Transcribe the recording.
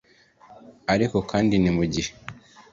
ariko kandi ni mu gihe